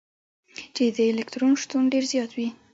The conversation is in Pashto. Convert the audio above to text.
چي د الکترون شتون ډېر زيات وي.